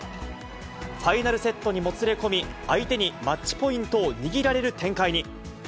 ファイナルセットにもつれ込み、相手にマッチポイントを握られる展開に。